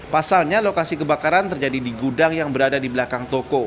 pasalnya lokasi kebakaran terjadi di gudang yang berada di belakang toko